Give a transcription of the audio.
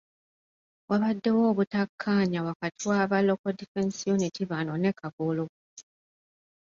Wabaddewo obutakkaanya wakati wa ba Local Defence Unit bano ne Kagolo.